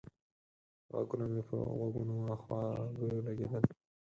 غږونه مې په غوږونو خواږه لگېدل